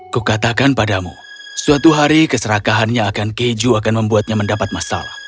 kukatakan padamu suatu hari keserakahannya akan keju akan membuatnya mendapat masalah